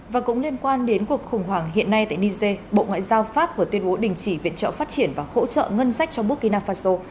và cũng liên quan đến cuộc khủng hoảng hiện nay tại niger bộ ngoại giao pháp vừa tuyên bố đình chỉ viện trợ phát triển và hỗ trợ ngân sách cho burkina faso